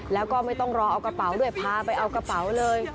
แล้วก็ไม่ต้องรอเอากระเป๋าด้วยพาไปเอากระเป๋าเลย